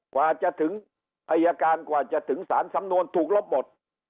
กว่าจะถึงอายการกว่าจะถึงสารสำนวนถูกลบหมด